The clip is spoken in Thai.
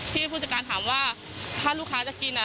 ผู้จัดการถามว่าถ้าลูกค้าจะกิน